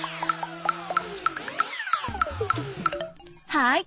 はい！